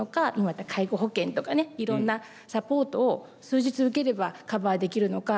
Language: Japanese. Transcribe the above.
また介護保険とかねいろんなサポートを数日受ければカバーできるのか。